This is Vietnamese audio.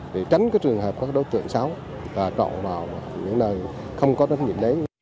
để tránh cái trường hợp có các đối tượng xáo và trộn vào những nơi không có đối tượng đấy